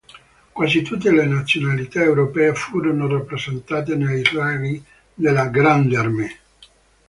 Quasi tutte le nazionalità europee furono rappresentate nei ranghi della "Grande Armée".